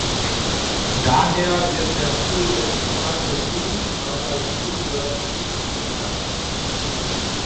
Daher wird der frühe Chicago Blues auch als "Bluebird Beat" bezeichnet.